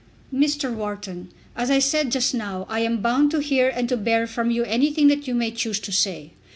"Mr. Wharton, as I said just now, I am bound to hear and to bear from you anything that you may choose to say.